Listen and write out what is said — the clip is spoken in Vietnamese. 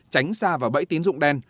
tránh xa vào bẫy tiến dụng đen